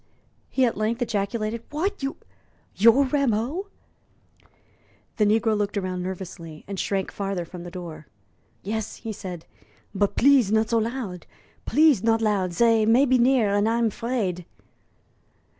he at length ejaculated. "What! You you're Rameau?" The negro looked round nervously, and shrank farther from the door. "Yes," he said; "but please not so loud please not loud. Zey may be near, and I'm 'fraid."